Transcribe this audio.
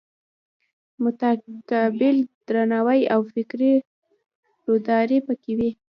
متقابل درناوی او فکري روداري پکې وي.